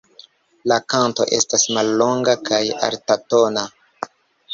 La kanto estas mallonga kaj altatona.